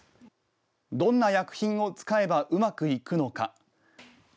どんな薬品を使えばうまくいくのか。